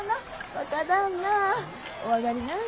若旦那お上がりなんし。